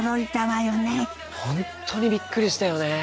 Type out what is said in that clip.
本当にびっくりしたよね。